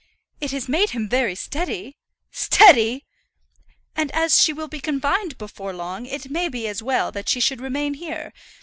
"It has made him very steady." "Steady!" "And as she will be confined before long it may be as well that she should remain here.